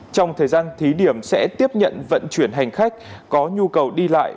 trong thời gian thí điểm sẽ tiếp nhận vận chuyển hành khách có nhu cầu đi lại